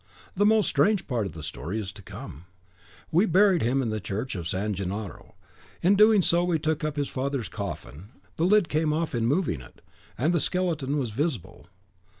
The most strange part of the story is to come. We buried him in the church of San Gennaro. In doing so, we took up his father's coffin; the lid came off in moving it, and the skeleton was visible.